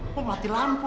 apa mati lampu